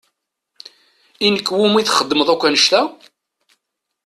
I nekk i wumi txedmemt akk annect-a?